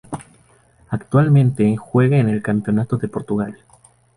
Actualmente juega en el Campeonato de Portugal.